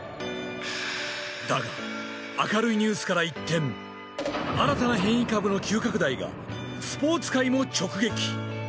だが、明るいニュースから一転、新たな変異株の急拡大がスポーツ界も直撃。